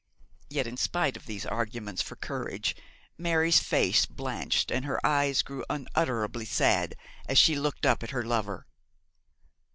Yet in spite of these arguments for courage, Mary's face blanched and her eyes grew unutterably sad as she looked up at her lover.